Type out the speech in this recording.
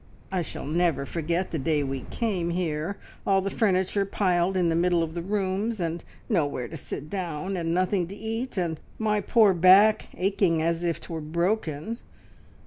I shall never forget the day we came here all the furniture piled in the middle of the rooms, and nowhere to sit down, and nothing to eat, and my poor back aching as if 'twere broken.